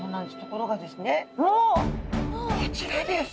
こちらです。